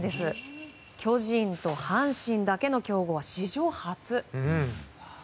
巨人と阪神だけの競合は史上初。